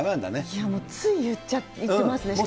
いやもう、つい言ってますね。